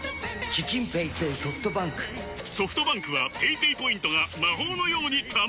ソフトバンクはペイペイポイントが魔法のように貯まる！